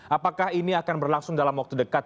apakah ini akan berlangsung dalam waktu dekat